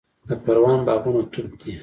د پروان باغونه توت دي